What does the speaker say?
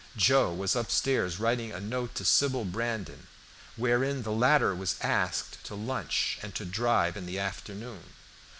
Joe was up stairs writing a note to Sybil Brandon, wherein the latter was asked to lunch and to drive in the afternoon.